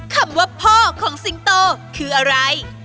คำว่าพ่อของสิงโตคืออะไร